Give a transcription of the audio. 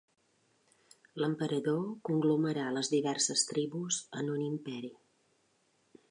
L'emperador conglomerà les diverses tribus en un imperi.